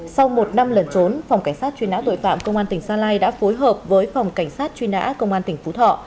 sau một năm lần trốn phòng cảnh sát truy nã tội phạm công an tỉnh gia lai đã phối hợp với phòng cảnh sát truy nã công an tỉnh phú thọ